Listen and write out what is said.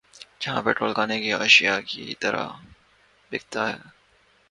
جہاں پیٹرول کھانے کی اشیا کی طرح بِکتا ہے